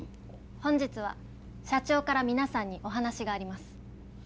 本日は社長から皆さんにお話があります。